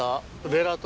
ベラと。